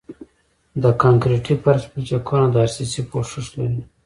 د کانکریټي فرش پلچکونه د ار سي سي پوښښ لري